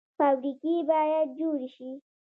فابریکې باید جوړې شي